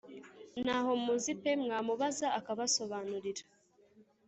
ntaho muzi pe mwamubaza akabasobanurira